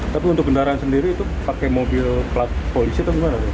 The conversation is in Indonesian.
tapi untuk kendaraan sendiri itu pakai mobil plat polisi atau gimana